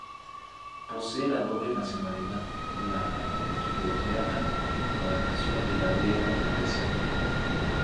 Posee la doble nacionalidad, la georgiana, donde nació, y la griega, donde creció.